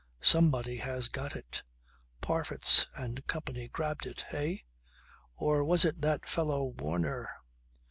Somebody has got it. Parfitts and Co. grabbed it eh? Or was it that fellow Warner